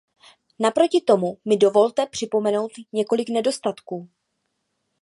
Naproti tomu mi dovolte připomenout několik nedostatků.